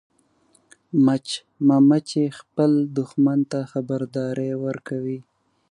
مچمچۍ خپل دښمن ته خبرداری ورکوي